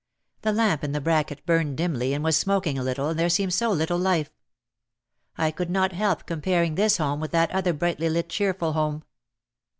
The lamp in the bracket burned dimly and was smoking a little and there seemed so little life. I could not help comparing this home with that other brightly lit cheerful home.